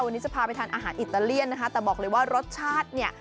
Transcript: วันนี้จะพาไปทานอาหารอิตาเลียนนะคะแต่บอกเลยว่ารสชาติเนี่ย